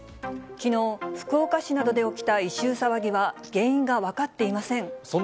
きのう、福岡市などで起きた異臭騒ぎは、原因が分かっていません。